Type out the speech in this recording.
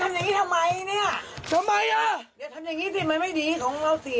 ทำยังงี้ทำไมเนี้ยทำไมอ้าอย่าทำอย่างงี้สิมัยไม่ดีของเราเสีย